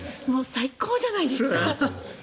最高じゃないですか。